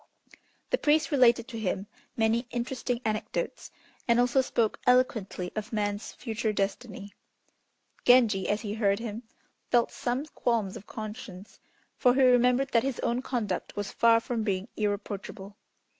The priest related to him many interesting anecdotes, and also spoke eloquently of man's future destiny. Genji as he heard him, felt some qualms of conscience, for he remembered that his own conduct was far from being irreproachable.